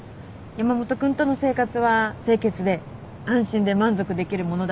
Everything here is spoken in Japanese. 山本君との生活は清潔で安心で満足できるものだって。